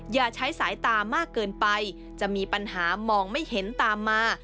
อย่าใช้สายตามากเกินไปจะมีปัญหามองไม่เห็นตามมา